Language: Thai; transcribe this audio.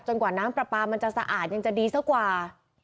กว่าน้ำปลาปลามันจะสะอาดยังจะดีซะกว่า